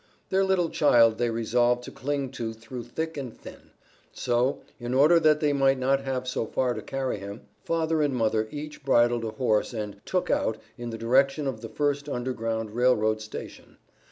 Their little child they resolved to cling to through thick and thin; so, in order that they might not have so far to carry him, father and mother each bridled a horse and "took out" in the direction of the first Underground Rail Road station.